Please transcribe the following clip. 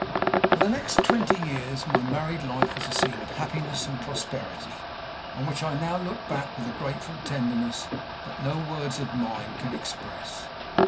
For the next twenty years my married life was a scene of happiness and prosperity, on which I now look back with a grateful tenderness that no words of mine can express.